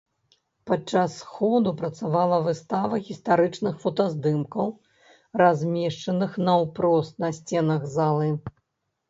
Падчас сходу працавала выстава гістарычных фотаздымкаў, размешчаных наўпрост на сценах залы.